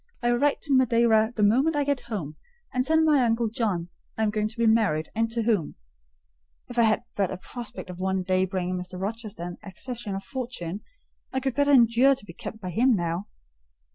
I will write to Madeira the moment I get home, and tell my uncle John I am going to be married, and to whom: if I had but a prospect of one day bringing Mr. Rochester an accession of fortune, I could better endure to be kept by him now."